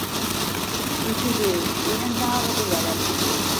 இஃது இரண்டாவது வளர்ச்சி.